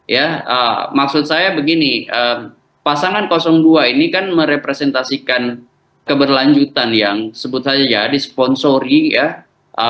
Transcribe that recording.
ya maksud saya begini pasangan dua ini kan merepresentasikan keberlanjutan yang sebut saja ya disponsori ya